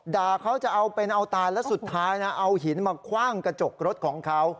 ด่าเขาจะเอาเป็นเอาตายแล้วสุดท้ายนะเอาหินมาคว่างกระจกรถของเขา